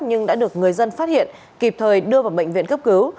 nhưng đã được người dân phát hiện kịp thời đưa vào bệnh viện cấp cứu